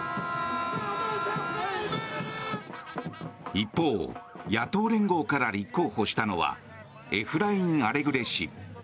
一方野党連合から立候補したのはエフライン・アレグレ氏。